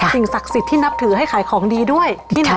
สิ่งศักดิ์สิทธิ์ที่นับถือให้ขายของดีด้วยที่ไหน